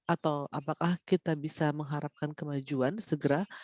atau apakah kita bisa mengharapkan kemajuan segera